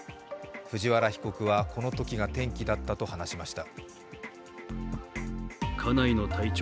藤原被告はこのときが転機だったと話しました。